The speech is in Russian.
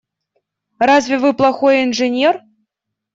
Разве вы плохой инженер?